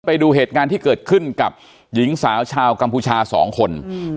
ไปดูเหตุการณ์ที่เกิดขึ้นกับหญิงสาวชาวกัมพูชาสองคน